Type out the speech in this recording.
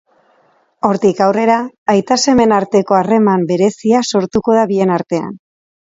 Hortik aurrera, aita-semeen arteko harreman berezia sortuko da bien artean.